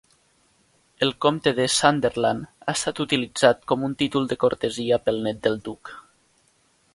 El Comte de Sunderland ha estat utilitzat com un títol de cortesia pel net del Duc.